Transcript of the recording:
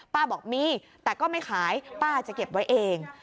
บอกมีแต่ก็ไม่ขายป้าจะเก็บไว้เอง